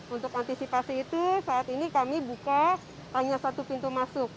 untuk antisipasi itu saat ini kami buka hanya satu pintu masuk